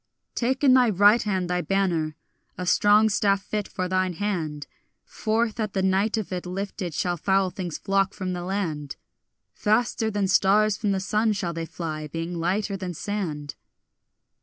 Take in thy right hand thy banner, a strong staff fit for thine hand; Forth at the light of it lifted shall foul things flock from the land; Faster than stars from the sun shall they fly, being lighter than sand.